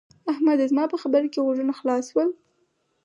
احمده! زما په خبره دې غوږونه خلاص شول؟